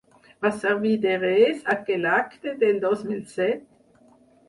Va servir de res aquell acte del dos mil set?